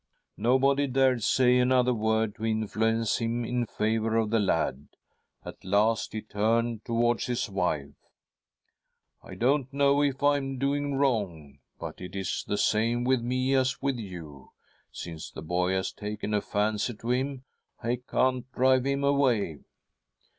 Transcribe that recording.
Nobody dared say another word to influence him in favour of the lad. At last he turned towards his wife. ' I don't know if I am doing wrong, but it is the same with me as with you — since the boy has taken a fancy to him, I can't drive him away.'